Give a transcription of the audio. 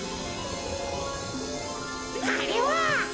あれは！